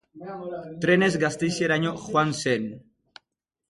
Trenez Gasteizeraino joan zen.